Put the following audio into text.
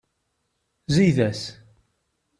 Zeyyed-as.